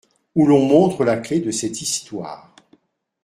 Où l'on montre la clef de cette histoire.